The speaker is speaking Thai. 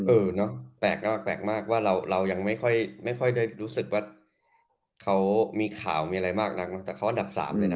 อืมแปลกมากว่าเรายังไม่ค่อยได้รู้สึกว่าเขามีข่าวมีอะไรมากแต่เขาอันดับ๓เลยนะ